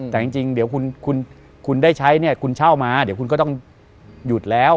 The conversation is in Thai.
แต่จริงเดี๋ยวคุณได้ใช้เนี่ยคุณเช่ามาเดี๋ยวคุณก็ต้องหยุดแล้ว